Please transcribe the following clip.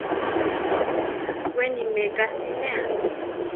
Weni meká siméa.